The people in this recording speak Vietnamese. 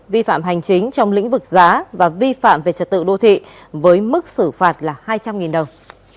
vi phạm hành chính trong lĩnh vực giá và vi phạm về trật tự đô thị với mức xử phạt là hai trăm linh đồng